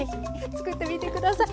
作ってみて下さい。